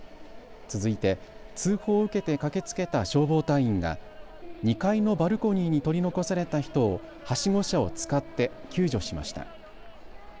続いて通報を受けて駆けつけた消防隊員が２階のバルコニーに取り残された人をはしご車を使って救助しました。